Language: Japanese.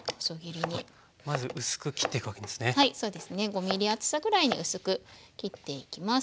５ｍｍ厚さぐらいに薄く切っていきます。